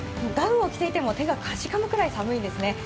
ダウンを着ていても手がかじかむくらい寒いですね。